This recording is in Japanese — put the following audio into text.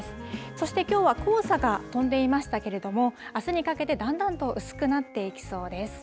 そしてきょうは黄砂が飛んでいましたけれどもあすにかけて、だんだんと薄くなっていきそうです。